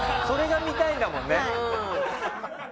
それが見たいんだもんね。